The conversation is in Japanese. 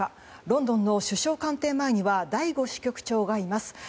ロンドンの首相官邸前には醍醐支局長がいます。